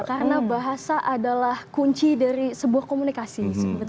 karena bahasa adalah kunci dari sebuah komunikasi